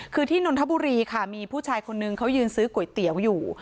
คือที่นนทบุรีค่ะมีผู้ชายคนนึงเขายืนซื้อก๋วยเตี๋ยวอยู่